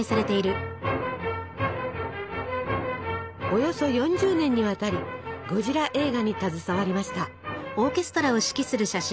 およそ４０年にわたりゴジラ映画に携わりました。